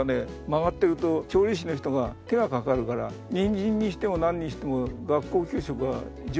曲がってると調理師の人が手がかかるからニンジンにしてもなんにしても学校給食は上物だけ。